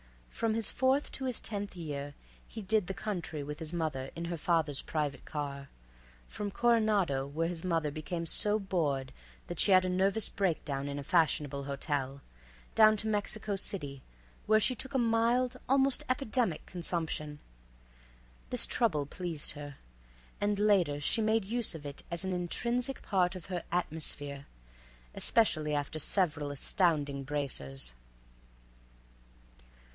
From his fourth to his tenth year he did the country with his mother in her father's private car, from Coronado, where his mother became so bored that she had a nervous breakdown in a fashionable hotel, down to Mexico City, where she took a mild, almost epidemic consumption. This trouble pleased her, and later she made use of it as an intrinsic part of her atmosphere—especially after several astounding bracers.